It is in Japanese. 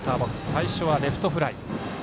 最初はレフトフライ。